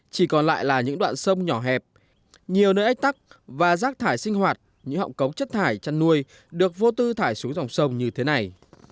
chỉ còn lại là những đoạn sông nhỏ hẹp nhiều nơi ách tắc và rác thải sinh hoạt những họng cống chất thải chăn nuôi được vô tư thải xuống dòng sông như thế này